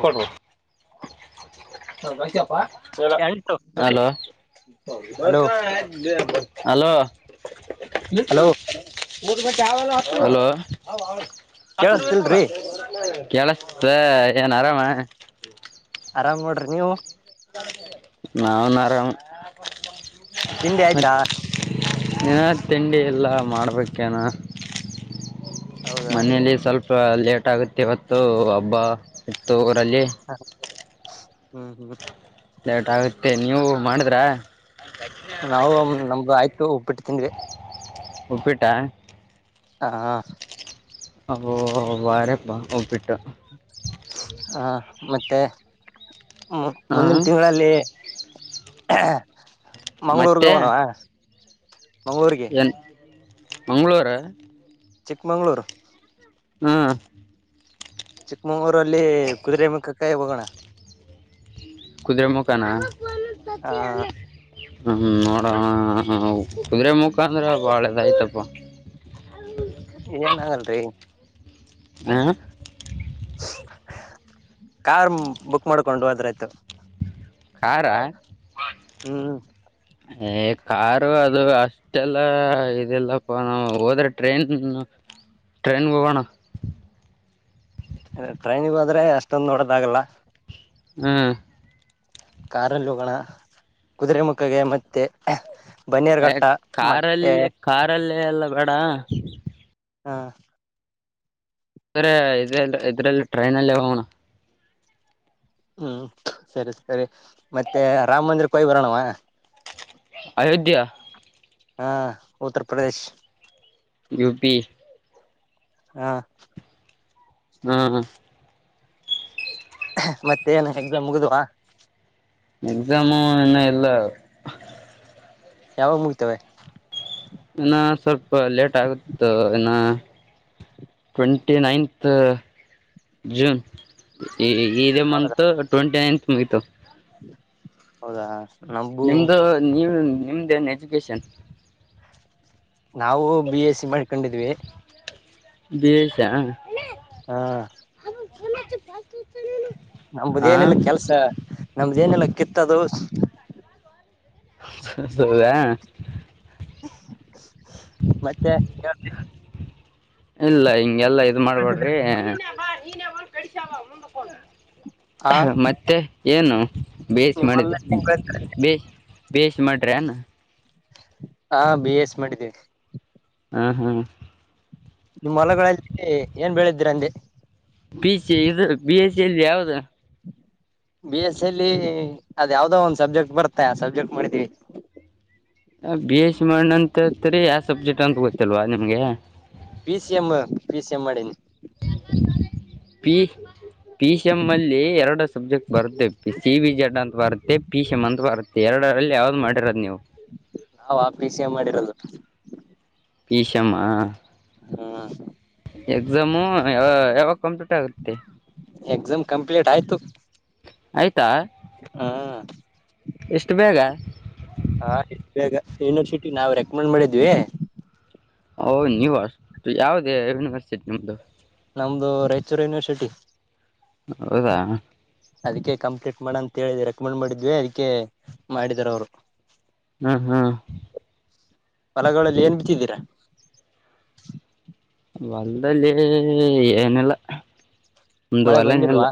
ಕೊ [unintelligible] ವಸಪ್ಪಾ ಎಂಟು hello hello [unintelligible] hello [unintelligible] hello ಊದುಬತ್ತಿ ಅವಿಲ್ವ ಅದ್ವ ಹಲೋ ಕೇಳಸ್ತಿಲ್ರಿ [unintelligible] ಕೆಳಸ್ದ ಏನ್ ಆರಾಮ ಆರಾಮ್ ನೋಡ್ರಿ ನೀವು ನಾವುನ್ ಆರಾಮ್ ತಿಂಡಿ ಆಯ್ತಾ ಏನ ತಿಂಡಿ ಇಲ್ಲ ಮಾಡ್ಬೇಕೇನ ಹೌದಾ ಮನೇಲಿ ಸ್ವಲ್ಪ ಲೇಟ್ ಆಗುತ್ತೆ ಇವತ್ತು ಹಬ್ಬ ಇತ್ತು. ಡಲಿ. [unintelligible] ಹ್ಮ್, ಹ್ಮ್. [inaudible] ಲೇಟ್, ಆಗುತ್ತೆ! ನೀವು ಮಾಡಿದ್ರ? [inaudible] ನಾವು, ನಮ್ದು ಆಯ್ತು, ಉಪ್ಪಿಟ್ಟು, ತಿಂಧ್ವಿ. [inaudible] ಉಪ್ಪಿಟ. [unintelligible] ಹಾ. [inaudible] ಅದು, ಮಾರಿಯಬ್ಬ, ಹೋಗಿಬಿಟ್ಟು. [inaudible] ಹಾ, ಮತ್ತೆ? [unintelligible] ಹ್ಮ, ಹ ಮುಂದಿನ, ತಿಂಗಳಲ್ಲಿ! ಮಂಗ್ಗಳೂರ್ಗೆ, ಮತ್ತೆ ಹೋಣವಾ? [inaudible] ಮಂಗಗಳೂರ್ರಿಗೆ? [inaudible] ಏನ್ ಮಂಗಳೂರು.. [inaudible] ಚಿಕ್ಕಮಂಗಳೂರು. [inaudible] ಹ್ಮ.. [inaudible] ಚಿಕ್ಕಮಂಗಳೂರ, ಅಲ್ಲಿ, ಕುದುರೆ, ಮುಕ್ಕಕ್ಕಾಯಿ ಹೋಗೋಣ? [inaudible] ಕುದುರೆ, ಮುಖಾನ, ಆ ಹ, ನೋಡನಾ. [inaudible] ಹ, ಹ, ಕುದುರೆ, ಮುಖ, ಅಂದ್ರೆ, ಬಾಳೆದಯ್ತಪ್ಪ. [inaudible] ಇದೇನು, ಹಾಗಲರಿ? [inaudible] ಹ.. [inaudible] ಕಾರ್, ಬುಕ್, ಮಾಡ್ಕೊಂಡು! ಹೋದ್ರಾಯ್ತು? [inaudible] ಕಾರ. ವೈ.. [unintelligible] ಹ್ಮ್.. [inaudible] ಏ, ಕಾರು, ಅದು ಅಷ್ಟೆಲ್ಲ? ಇದಿಲ್ಲಪ್ಪ ನಾವು ಹೋದ್ರೆ, ಟ್ರೈನ್! [inaudible] ಟ್ರೈನೊಗೋನ. [inaudible] ಟ್ರೈನಿಗೋದ್ರೆ, ಅಷ್ಟೊಂದು, ನೋಡೋದಾಗಲ್ಲ? [inaudible] ಹ್ಮ್.. [inaudible] ಕಾರಲ್ಲಿ, ಹೋಗೋಣ! ಕುದುರೆ ಮುಖಗೆ ಮತ್ತೆ? [inaudible] ಬಾನಿರುಘಟ್ಟ, ಮತ್ತೆ? [inaudible] ಹೇ, ಎಲ್ಲ, ಬೇಡ? [inaudible] ಹಾ.. [inaudible] ಸರಿ, ಇದ್ರಲ್ಲಿ, ಇದ್ರಲ್ಲಿ ಟ್ರೈನಲ್ಲೇ, ಹೋಗಣ? [inaudible] ಹ್ಮ್, ಸರಿ, ಸರಿ, ಮತ್ತೆ! ರಾಮ ಮಂದಿರ ಹೋಗಿ, ಬರೋಣವಾ? [inaudible] ಅಯೋಧ್ಯಾ? [inaudible] ಹಾ, ಉತ್ತರ್, ಪ್ರದೇಶ್. [inaudible] ಯುಪಿ. [inaudible] ಹಾ.. [inaudible] ಹ್ಮ್. [inaudible] ಮತ್ತೇನ್, ಎಕ್ಸಾಮ್, ಮುಗಿದುವ? [inaudible] ಎಕ್ಸಾಮು, ಇನ್ನ, ಇಲ್ಲ, ಹಾ. [inaudible] ಯಾವಾಗ, ಮುಗಿಯುತ್ತವೆ? [inaudible] ಇನ್ನ, ಸ್ವಲ್ಪ, ಲೇಟ್, ಆಗುತ್ತೆ, ಇನ್ನ? [inaudible] Twenty, ninth, June. [unintelligible] ಈ, ಇದೇ, ಮಂತ್, ಟ್ವೆಂಟಿ ನೈನ್ತ್, ಮುಗಿತು. [inaudible] ಹೌದಾ! [inaudible] ನಿಮ್ದು, ನೀವು, ನಿಮ್ದ, ಏನ್, ಎಜುಕೇಶನ್? [inaudible] ನಾವು, ಬಿ, ಎಸ್, ಸಿ. ಮಾಡ್ಕೊಂಡಿದ್ವಿ! [inaudible] ಬಿ ಎಸ್, ಸಿ, ಯಾ? [inaudible] ಹಾ.. [inaudible] [inaudible] ನಮುದ ಆ ಏನೆಲ್ಲ ಕೆಲ್ಸ ನಮ್ದ ಏನೆಲ್ಲ ಕಿತ್ತದು. ಹೌದಾ. ಮತ್ತೆ ಯ ಇಲ್ಲ ಹಿಂಗೆಲ್ಲ ಇದ ಮಾಡ್ಬೇಡ್ರಿ. ಆ ಮತ್ತೆ ಏನು ಬೇಯಿಸಿ ನಿಮ್ ಹೊಲ ಮಾಡಿದೆ ಬೇ. ಬೇಷ ಮಾಡ್ರಿನ್. ಹಾ ಬಿ ಎಸ್ ಮಾಡಿದ್ದೇವಿ. ಹಾ ಹಾಂ. ಇದ್ರಂದೆ. B, C. ಇದು, ಬಿ, ಎಸ್, ಸಿ. ಲ್ಲಿ, ಯಾವ್ದು? [inaudible] [unintelligible] [inaudible] ಬಿ, ಎಸ್, ಅಲ್ಲಿ, ಅದು, ಯಾವ್ದೋ! ಒಂದ್ ಸಬ್ಜೆಕ್ಟ್, ಬರುತ್ತೆ, ಆ ಸಬ್ಜೆಕ್ಟ್ ಮಾಡಿದೀವಿ! [inaudible] ಬಿ ಎಸ್ ಸಿ ಮಾಡನಂತತ್ರಿ ಯಾವ ಸಬ್ಜೆಕ್ಟ್ ಅಂತ ಗೊತ್ತಲ್ವಾ ನಿಮ್ಗೆ. P C M P C M ಮಾಡನಿ [inaudible] P. P C M ಅಲ್ಲಿ ಎರಡು ಸಬ್ಜೆಕ್ಟ್ ಬರುತ್ತೆ ಸಿ ವಿ ಜೆಡ್ ಅಂತ ಬರುತ್ತೆ ಪಿ ಸಿ ಎಂ ಅಂತ ಬರುತ್ತೆ. ಎಡ ಅಲ್ಲಿ ಯಾವ್ದ್ ಮಾಡಿರೋದು ನೀವು. ನಾವ್ ಆ ಪೀ ಸಿ ಎಂ ಮಾಡಿರೋದು. ಈಶಮ್ಮಾ. ಹಾ. ಎಕ್ಸಾಮ್ಯಾವಾಗ. ಎಕ್ಸಾಮ್ ಕಂಪ್ಲಿಟ್ ಆಯ್ತು. ಆಯ್ತಾ ಹಾ. ಎಷ್ಟು ಬೇಗ. ಹಾ ಬೇಗ ಯನಿವರ್ಸಿಟಿ ನಾವವು ರೆಕಮೆಂಡ್ ಮಾಡಿದ್ವಿ. ಓ ನೀವು ಅಷ್ಟು ಯಾವ್ದೇ ಯೂನಿವರ್ಸಿಟಿ ನಿಮ್ದು. ನಮ್ದು ರಾಯಚೂರು ಯೂನಿವರ್ಸಿಟಿ. ಹೌದಾ. ಅದಕ್ಕೆ ಕಂಪ್ಲೀಟ್ ಮಾಡ ಅಂತ ಹೇಳಿದ ರೆಕಮೆಂಡ್ ಮಾಡಿದ್ವಿ ಅದಕ್ಕೆ ಮಾಡಿದಾರ ಅವರು. ಹ್ಮ ಹ್ಮ ಹೊಲಗಳಲ್ಲಿ ಏನ್ ಬಿತ್ತಿದ್ದೀರಾ. ಹೊಲದಲ್ಲಿ ಏನಲ್ಲ ಒಂದು ಮಳೆ ಹೊಲನ ಅಲ್ಲ. ಬಂದಿಲ್ವಾ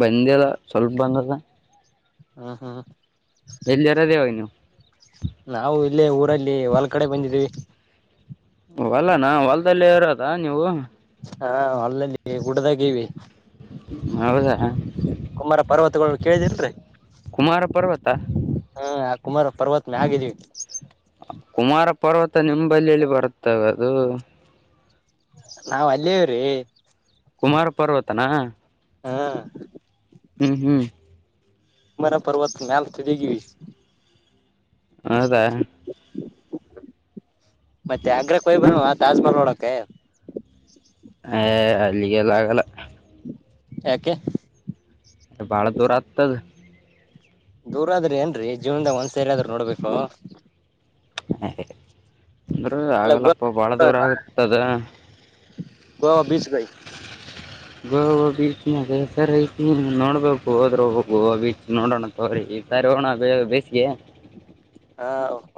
ಬಂದೆಲ್ಲ ಸ್ವಲ್ಪ ಬಂದಾದ. ಹಾ ಹ [inaudible] ಇರೋದು ಇವಾಗ ನೀವು ನಾವು ಇಲ್ಲೇ ಊರಲ್ಲಿ ಹೊಲ್ ಕಡೆ ಬಂದಿದೀವಿ. ಲ್ಲ ಇರೋದಾ ನೀವು. ಹಾ ಅಲ್ಲಲ್ಲಿ ಹೂಡದಾಗೀವಿ. ಹೌದಾ ಕುಮಾರ ಪರ್ವತಗಳು ಕೇಳ್ದಿರರಿ ಕುಮಾರ ಪರ್ವತ ಹ. ಕುಮಾರ ಪರ್ವತನ ಹಗಿದ್ದೀವಿ ಕುಮಾರ ಪರ್ವತ ನಿಮ್ಮಂಬಲ್ಲಿಲ್ಲಿ ಬರುತ್ತವೆ ಅದು. ನಾವ್ ಅಲ್ಲಿವ್ರೀ. ಕುಮಾರ ಪರ್ವತನಾ. ಹಾ. ಹ್ಮ್ ಹ್ಮ್ ಸಮರ ಪರ್ವತ್ ಮ್ಯಲ್ತದೆಗಿವಿ. ಹೌದಾ ಮತ್ತೆ ಅಗ್ರಕ್ಕೆಯ್ ಬವಾ ತಾಜ್ಮಹಲ್ ನೋಡಕೆ. ಹಏ ಅಲ್ಲಿಗೆ ಎಲ್ಲಾಗಲ್ಲ. ಯಾಕೆ. ಅ ಭಾಳ ದೂರ ಆಗ್ತದ ದೂರ ಆದ್ರಿ ಏನ್ರೀ ಜೀವನ್ದಾಗ ಒಂದ್ಸೇರಿ ಆದ್ರರು ನೋಡ್ಬೇಕು [unintelligible] ಅಂದ್ರ ಇಲ್ಲ ಗೋ ಆಗಲ್ಲಪ್ಪ ಬಾಳ ದೂರ ಆಗತದ [unintelligible] ಗೋವಾ ಬೀಚ್ ನ ಹೆಸರ ಐತಿ ನೋಡ್ಬೇಕು ಹೋದ್ರೆ ಒಬ್ಬ ಗೋವಾ ಬೀಚ್ ನೋಡೋಣ ತರಿ ಸರ್ ಹೋಗೊಣ ಬೀಚ್ ಗೆ ಹಾ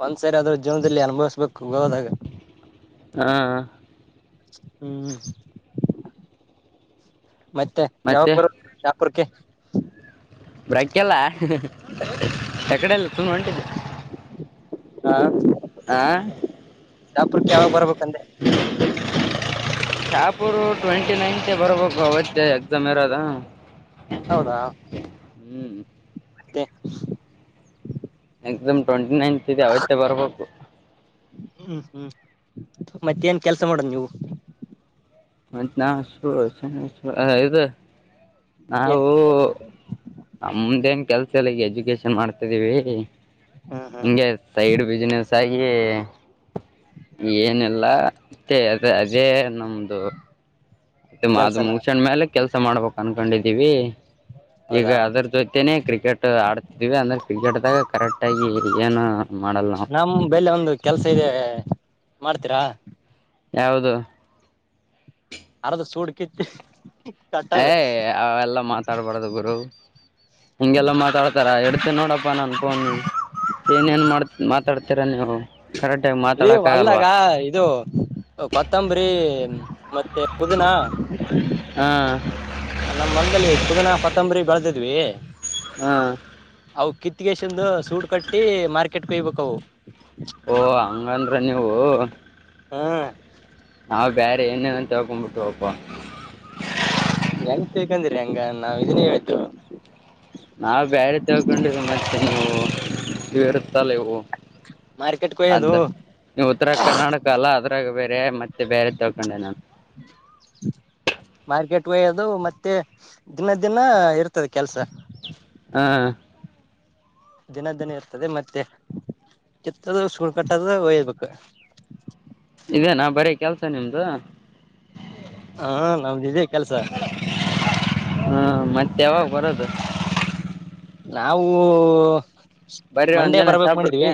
ಒಂದ್ಸರಿ ಆದ್ರೂ ಜೀವನದಲ್ಲಿ ಅನುಭವಿಸ್ಬೇಕು ಗೋವಾದಾಗ. ಹಾ ಹ್ಮ್ ಮತ್ತೆ ಮತ್ತೆ ಯಾವಪುರ್ ಶಾಪುರ್ಕ್ಕೆ ಬ್ರೇಕ್ ಇಲ್ಲಾ ಎಕಡೆ ಎಲ್ಲ ಸುಮ್ಮ ಹೊಂಟಿದ್ದೇ ಹಾ ಶಾಪುರ್ ಕ್ಕೆ ಯಾವಾಗ ಬರ್ಬೇಕಂದೆ [inaudible] ಪುರು ಟ್ವೆಂಟಿ ನೈನ್ ಮತ್ತೆ ಬರ್ಬೇಕು ಅವತ್ತೇ ಎಕ್ಸಾಮ್ ಇರೋದಾ ಹೌದಾ ಹ್ಮ್ ಮತ್ತೆ ಮ್ ಟ್ವೆಂಟಿ ನೈನ್ತ್ ಇದೆ ಅವತ್ತೇ ಬರ್ಬೇಕು ಹ್ಮ್ ಹ್ಮ್ ಮತ್ತ ಏನ್ ಕೆಲ್ಸ ಮಾಡೋದು ನೀವು ಮತ್ತ ನಾ [unintelligible] ಏನ್ ನಾವು ನಮ್ದೇನ್ ಕೆಲ್ಸ ಇಲ್ಲ ಎಜುಕೇಶನ್ ಮಾಡ್ತಿದ್ದೀವಿ ಹ್ಮ್ ಹ್ಮ್ ಹೀಗೆ ಸೈಡ್ ಬಿಸಿನಸ್ ತಾಗಿ ಏನಿಲ್ಲಾ ತೆ ಅ ಅದೇ ನಮ್ದು. ಮತ್ತ ಮಾ ಕೆಲ್ಸನ ಮುಚಣ ಮೇಲೆ ಕೆಲ್ಸ ಮಾಡ್ಬೇಕ್ ಅನ್ಕೊಂಡಿದ್ದೀವಿ. ಈಗ ಹೌದಾ ಅದ್ರ ಜೊತೆನೇ ಕ್ರಿಕೆಟ್ ಆಡ್ತಿದೀವಿ ಅಂದ್ರೆ ಕ್ರಿಕೆಟ್ದಾಗ ಕರೆಕ್ಟ್ ಆಗಿ ಏನು ಮಾಡ್ ಲ್ಲ ನಾವ್ ನಮ್ ಬೆಲೆ ಒಂದು ಕೆಲ್ಸ ಇದೆ ಮಾಡ್ತೀರಾ? ಯಾವುದು ಅರದ ಸೂಡ್ ಕಿತ್ತು ಏ ಅವೆಲ್ಲ ಮಾತಾಡ್ಬಾರ್ದ ಗುರು ಹಿಂಗೆಲ್ಲ ಮಾತಾಡ್ತಾರ ಇಡ್ತಿ ನೋಡಪ್ಪಾ ನಾನ್ ಫೋನು. ಏನೇ ಏನ್ ಮಾಡ್ ಮಾತಾಡ್ತೀರಾ ನೀವು? ಕರೆಕ್ಟಾಗಿ ಇ ಮಾತಾಡಕ್ ಆಗಲ್ವಾ ಹೊಲ್ಲಗ ಇದು ಕೊತ್ತಂಬರಿ ಮತ್ತೆ ಪುದಿನಾ, ಹಾ ನಮ್ಮ್ ಹೊಲ್ದಲ್ಲಿ ಪುದಿನಾ, ಕೊತ್ತಂಬರಿ ಬೆಳದಿದ್ವಿ ಹಾ ಅವು ಕಿತ್ತಗೆಸಂದು ಸೂಟ್ ಕಟ್ಟಿ ಮಾರ್ಕೆಟ್ ಕೋಯ್ಬೇಕವು. ಓ ಹಂಗಂದ್ರ ನೀವು. ಹಾ ನಾವ್ ಬ್ಯಾರೆ ಏನೇ ಅಂತ ತಿಳ್ಕೊಂಬಿಟ್ ಅಪ್ಪ. ಹೆಂಗ ತಿಳ್ಕಂದಿರಿ ಹಂಗ ನಾವ್ ಇದನ್ನೆ ಹೇಳತಿವ ನಾವು ಬ್ಯಾರೆ ತಿಳ್ಕೊಂಡ ಮತ್ತೆ ನೀವು ಇರುತ್ತಲ್ಲ ಇವು. ಮಾರ್ಕೆಟ್ ಕೊಯ್ಯೋದು ಅದ ನೀವು ಉತ್ತರ ಕರ್ನಾಟಕ ಅಲ್ಲ ಅದ್ರಾಗ ಬೇ ರೆ ಮತ್ತೆ ಬೇರೆ ತಿಳ್ಕೊಂಡೆ ನಾನು ಅದು ಮತ್ತೆ ದಿನ ದಿನ ಇರ್ತದೆ ಕೆಲ್ಸಾ ಹಾ ದಿನ ದಿನ ಇರ್ತದೆ ಮತ್ತೆ ಕಿತ್ತದು ಸುಳ್ ಕಟ್ಟದ ಓಯ್ಬೇಕು. ಇದೇನಾ ಬರೀ ಕೆಲ್ಸ ನಿಮ್ದು ಹಾ ನಮ್ದ್ ಇದೆ ಕೆಲ್ಸ. ಹಾ ಮತ್ತೆ [unintelligible] ನಾವು. ಬರ್ರಿ ಮಂಡೇ ಒಂದಿನ ಬರಬೇಕು ಮಾಡಿದ್ವಿ ಶಾಪುರ್ಕ್ಕೆ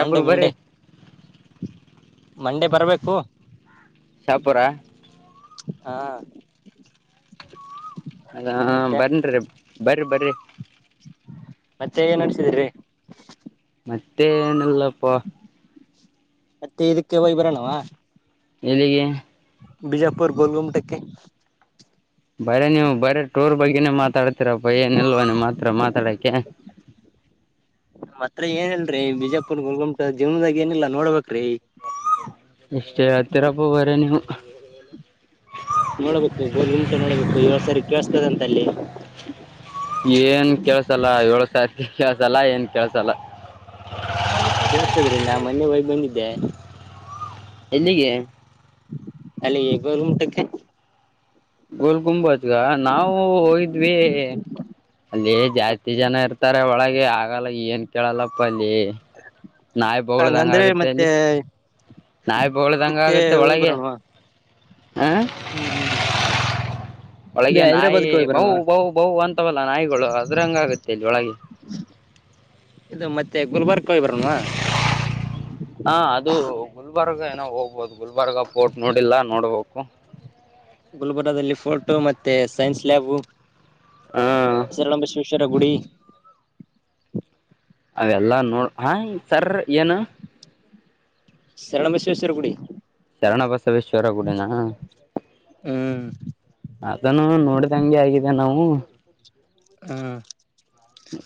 ಮಂಡೇ ಬರ್ರಿ ಮಂಡೇ. ಮಂಡೇ ಬರ್ಬೇಕು. ಶಾಪುರ. ಹಾ [inaudible] ಅದ ಹ ಮತ್ತೆ ಬನ್ರಿ ಬರ್ರೀ ಬರ್ರಿ. ಮತ್ತೆ ಏನ್ ನಡ್ಸಿದ್ರಿ. ಮತ್ತೆನಲ್ಲಪ್ಪ. ಮತ್ತೆ ಇದಕ್ಕೆ ಹೋಗ್ ಬರೋಣವಾ? ಎಲ್ಲಿಗೆ. ಬಿಜಾಪುರ್ ಗೋಲ್ಗುಮಟಕ್ಕೆ. ಬರೆ ನೀವು ಬರೇ ಟೂರ್ ಬಗ್ಗೆನೇ ಮಾತಾಡ್ತೀರಪ್ಪ ಏನಲ್ವ ನಿಮ್ ಮಾತ್ರ ಮಾತಾಡಕ್ಕೆ. [inaudible] ಮತ್ರ ಏನಿಲ್ರೀ ಬಿಜಾಪುರ್ ಗುಲ್ಗುಮಟ ಜೀವನದಾಗ ಏನಿಲ್ಲಾ ನೋಡ್ಬೇಕ್ರೀ. ಎಷ್ಟೇ ಹತ್ತೀರಪ್ಪ ಬರೆ ನೀವು. ನೋಡ್ಬೇಕು ಗೋಲ್ ಗುಮಟ ನೋಡ್ಬೇಕು ಏಳ ಸರಿ ಕೇಳ್ಸ್ತದ ಅಂತಲ್ಲಿ. ಏನ್ ಕೆಳ್ಸಲ್ಲ ಏಳು ಸಾವಿ ಕೆಳ್ಸಲ್ಲ ಏನ್ ಕೆಳ್ಸಲ್ಲ. ಕೇಳ್ಸ್ತದ್ರಿ ನಾ ಮೊನ್ನೆ ಹೋಗ್ ಬಂದಿದ್ದೆ. ಎಲ್ಲಿಗೆ? ಅಲ್ಲಿಗ್ ಗೋಲ್ ಗುಮುಟಕ್ಕೆ. ಗೋಲ್ ಗುಂಬಜ್ ನಾವು ಹೋಗಿದ್ವಿ ಅಲ್ಲಿ ಜಾಸ್ತಿ ಜನ ಇರ್ತಾರೆ ಒಳಗೆ ಆಗಲ್ಲ ಏನ್ ಕೇಳಲ್ಲಪ್ಪ ಅಲ್ಲಿ. ನಾವಿ ಬಗಳದ ಹಂಗ ಹಂಗಂದ್ರೆ ಆಗುತ್ತೆ ಮತ್ತೆ ಅಲ್ಲಿ. ನಾಯ್ ಬೊಗಳಂಗೆ ಇದಕ್ಕೆ ಆಗತ್ತೆ ಹೋಗಿ ಒಳಗೆ ಬರೋಣವಾ ಹ ಹ್ಮ್ ಹ್ಮ್. [inaudible] ಇಲ್ಲಿ ಒಳಗೆ ನಾಯಿ ಹೈದ್ರಾಬಾದ್ಗೆ ಹೋಗಿ ಬವು ಬರೋಣವಾ ಬವು ಬವು ಅಂತವಲ್ಲ ನಾಯಿಗಳು ಅದ್ರಂಗ ಆಗತ್ತೆ ಇಲ್ಲಿ ಒಳಗೆ. ಇದು ಮತ್ತೆ ಗುಲ್ಬರ್ಗ. [inaudible] ಹಾ ಅದು ಗುಲ್ಬರ್ಗ ಹೋಗ್ಬೋದು ಗುಲ್ಬರ್ಗ ಪೋರ್ಟ್ ನೋಡಿಲ್ಲ ನೋಡ್ಬೇಕು. ಗುಲ್ಬುರಲ್ಲಿ ಫೋಟೋ ಮತ್ತೆ ಸೈನ್ಸ್ ಲ್ಯಾಬು. ಹ ಶಕ್ಷರಗುಡಿ. ಅವೆಲ್ಲಾ ನೋಡ್ ಹಾ ಸರ್ ಏನು. ಶರಣ ಬಸವೇಶ್ವರ ಗುಡಿ. ಶರಣಬಸವೇಶ್ವರ ಗುಡನಾ. ಹ್ಮ್ ಅದನು ನೋಡಿದಂಗೆ ಆಗಿದೆ ನಾವು. ಹ್ಮ್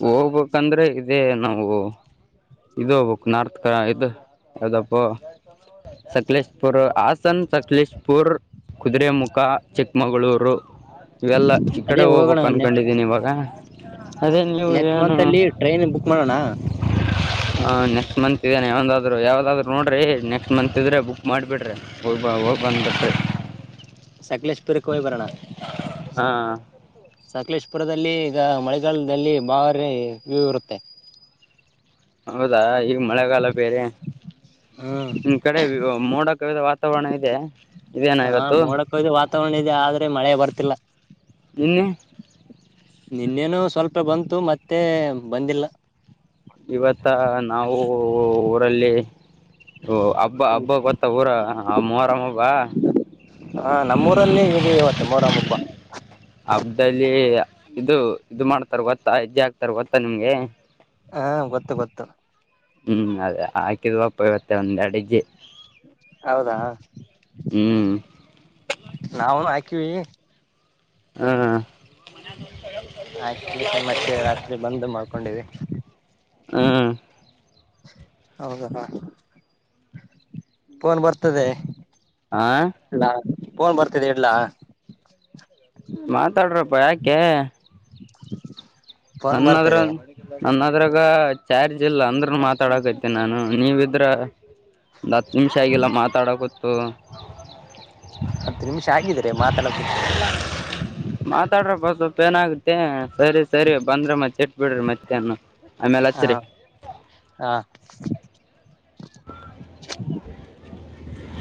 ಹೋಗ್ಬೇಕಂದ್ರೆ ಇದೇ ನಾವು. ಇದೋಗ್ಬೇಕು ನಾರ್ತ್ ಕ ಇದು ಅದಪ್ಪ. ಸಕಲೇಶಪುರ್ ಹಸನ್ ಸಕಲೇಶಪುರ್. ಕುದುರರೆಮುಖ ಚಿಕ್ಕಮಗಳೂರು. ಇವೆಲ್ಲ ಈ ಕಡೆ ಅದೇ ಹೋಗೋಣ ಹೋಗ್ಬೇಕು ನೆಕ್ಸ್ಟ್ ಅನ್ಕೊಂಡಿದ್ದೀನಿ ಇವಾಗ. ಅದೇ ನೀವು ನೆಕ್ಸ್ಟ್ ಏನು ಮಂತ್ ಅಲ್ಲಿ ಟ್ರೈನ್ ಬುಕ್ ಮಾಡೋಣ. ಹಾ ನೆಕ್ಸ್ಟ್ ಮಂತ್ ಇದ್ದೇನೆ ಯಾವದಾದ್ ಯಾವ್ದಾದ್ರು ನೋಡ್ರರಿ ನೆಕ್ಸ್ಟ್ ಮಂತ್ ಇದ್ರೆ ಬುಕ್ ಮಾಡಿಬಿಡ್ರಿ ಹೋ. [unintelligible] ಬಧತೆ ಸಕಲೇಶಪುರಕ್ಕೆ ಬರೋಣ ಹಾಂ ಸಕ್ಲೇಶ್. ಪುರದಲ್ಲಿ ಈಗ ಮಳೆಗಾಲದಲ್ಲಿ ಬಾರಿ ವಿವ್ ಇರುತ್ತೆ. ಹೌದಾ ಈಗ ಮಳೆಗಾಲ ಬೇರೆ- ನಿಮ್ಮ್ ಕಡೆ ಮೋಡ ಕವಿದ ವಾತಾವರಣ ಇದೆ ಇದೇನಾ ಹ ಇವತ್ತು - ಮೋಡಕ್ ಹೋಯ್ದ ವಾತಾವರಣ ಇದೆ ಆದ್ರೆ ಮಳೆ ಬರ್ತಿಲ್ಲ. ನಿನ್ನೇ. ನಿನ್ನೇನು ಸ್ವಲ್ಪ ಬಂತು ಮತ್ತೆ ಬಂದಿಲ್ಲ. ಇವತ್ತ ನಾವು ಊರಲ್ಲಿ ಓ ಹಬ್ಬ ಹಬ್ಬ ಬತ್ತ ಊರಗ ಮೊಹರಂ ಹಬ್ಬ. ಹಾ ನಮ್ಮೂರಲ್ಲಿ ಇದೆ ಇವತ್ತು ಮೊರಂ ಹಬ್ಬ ಹಬ್ಬದ್ಲಿ ಇದು ಇದು ಮಾಡ್ತಾರ ಗೊತ್ತಾ ಹೆಜ್ಜೆ ಆಗ್ತಾರ ಗೊತ್ತಾ ನಿಮ್ಗೆ. ಹಾ ಗೊತ್ತು ಗೊತ್ತು. ಹ್ಮ್ ಅದೇ ಹಾಕಿದ್ವಾ. ಇವತ್ತ್ ಒಂದ್ ಎರಡ್ ಹೆಜ್ಜಿ ಹೌದಾ ಹ್ಮ್. ನಾವನು ಹಾಕಿವಿ. ಹ್ಮ ಹಾಕಿಸಿ ಮತ್ತೆ ರಾತ್ರಿ ಬಂದು ಮಾಡ್ಕೊಂಡಿವಿ. ಹ್ಞೂ ಹೌದ ಫೋನ್ ಬರ್ತದೇ. ಹಾ ಪೋನ್ ಬರ್ತಿದೆ ಇಡ್ಲಾ. ಮಾತಾಡ್ರಪ್ಪ ಯಾಕೆ. [unintelligible] ಬರ್ತಿದೆ [unintelligible] ಅದ್ರಾಗ ಚಾರ್ಜ್ ಇಲ್ಲ ಅಂದ್ರ ಮಾತಾಡಕತ್ತಿನಿ ನಾನು ನೀವಿದ್ರ ಒಂದು ಹತ್ತು ನಿಮಿಷ ಆಗಲ್ಲ ಮಾತಾಡಕತ್ತು. ಹತ್ತು ನಿಮಿಷ ಆಗಿದ್ರ ಮಾತಾಡಕುತ್ತ - ಮಾತಾಡ್ರಪ್ಪ ಸ್ವಲ್ಪ ಏನ್ ಆಗುತ್ತೆ. ಬಂದ್ರ ಮತ್ತ್ತೆಟ್ ಬಿಡ್ರಿ ಮತ್ತ್ಯಾನು. ಹಾ ಹಾ [unintelligible]